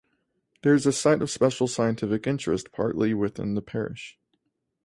There is a Site of Special Scientific Interest partly within the parish.